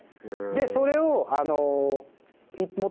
でそれを。